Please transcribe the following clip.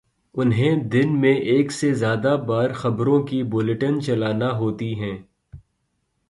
انہیں دن میں ایک سے زیادہ بار خبروں کے بلیٹن چلانا ہوتے ہیں۔